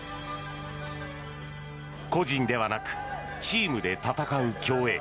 個人ではなくチームで戦う競泳。